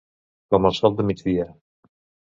Com el sol de migdia.